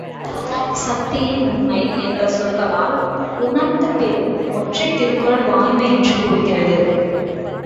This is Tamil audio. சத்தியம், உண்மை என்ற சொற்களால் உணர்த்தப் பெறும் ஒன்றைத் திருக்குறள் வாய்மை என்று கூறுகிறது.